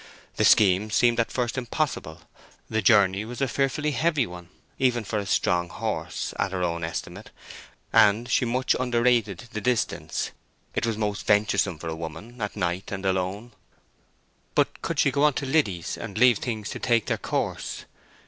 The scheme seemed at first impossible: the journey was a fearfully heavy one, even for a strong horse, at her own estimate; and she much underrated the distance. It was most venturesome for a woman, at night, and alone. But could she go on to Liddy's and leave things to take their course?